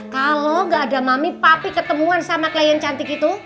kalau gak ada mami papi ketemuan sama klien cantik itu